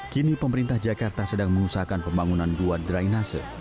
kini pemerintah jakarta sedang mengusahakan pembangunan dua drainase